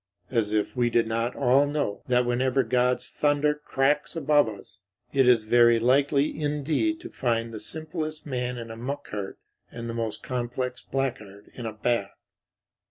As if we did not all know that whenever God's thunder cracks above us, it is very likely indeed to find the simplest man in a muck cart and the most complex blackguard in a bath.